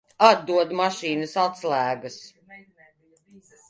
Atdod mašīnas atslēgas.